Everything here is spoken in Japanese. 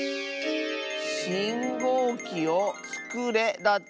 「しんごうきをつくれ」だって。